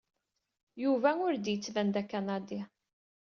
Yuba ur d-yettban d Akanadi.